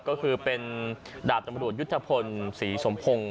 ก็คือเป็นดาบตำรวจยุทธพลศรีสมพงศ์